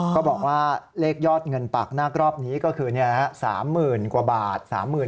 ก็บอกว่าเลขยอดเงินปากนาครอบนี้ก็คือ๓๐๐๐กว่าบาท